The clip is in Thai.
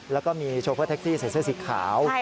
แล้วก็มีโชเฟอร์แท็กซี่ใส่เสื้อสีขาว